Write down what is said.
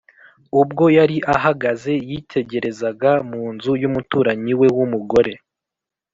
ubwo yari ahagaze yitegerezaga mu nzu y’umuturanyi we w’umugore